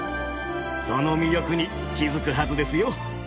その魅力に気付くはずですよ。